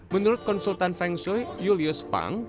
menurut konsultan feng shui julius pang